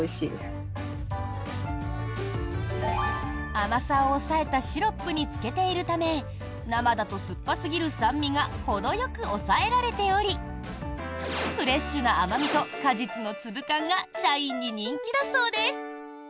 甘さを抑えたシロップに漬けているため生だと酸っぱすぎる酸味がほどよく抑えられておりフレッシュな甘味と果実の粒感が社員に人気だそうです。